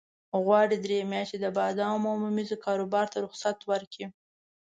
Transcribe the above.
غواړي درې میاشتې د بادامو او ممیزو کاروبار ته رخصت ورکړي.